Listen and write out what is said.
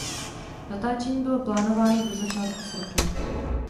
Natáčení bylo plánováno do začátku srpna.